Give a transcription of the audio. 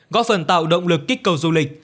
góp phần tạo động lực kích cầu du lịch